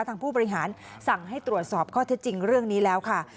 ผู้บริหารสั่งให้ตรวจสอบข้อเท็จจริงเรื่องนี้แล้วค่ะ